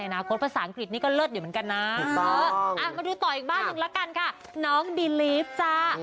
เออมาดูต่ออีกบ้านหนึ่งแล้วกันค่ะน้องบิลลีฟจ้า